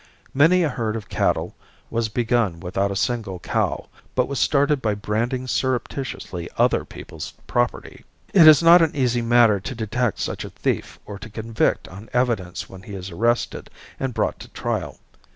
Many a herd of cattle was begun without a single cow, but was started by branding surreptitiously other people's property. It is not an easy matter to detect such a thief or to convict on evidence when he is arrested and brought to trial.